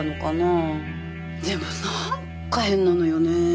でも何か変なのよね。